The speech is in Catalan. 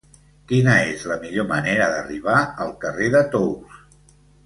Quina és la millor manera d'arribar al carrer de Tous?